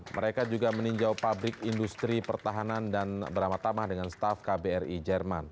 mereka juga meninjau pabrik industri pertahanan dan beramat tamah dengan staff kbri jerman